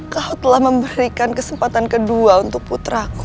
kau telah memberikan kesempatan kedua untuk mengambil buangmu